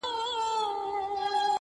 داده پښـــــتانه اشـــــــنــــٰــا.